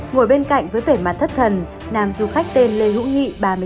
ngồi bên cạnh với vẻ mặt thất thần nàm du khách tên lê hữu nghị ba mươi chín tuổi